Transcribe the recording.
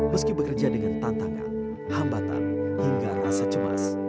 meski bekerja dengan tantangan hambatan hingga rasa cemas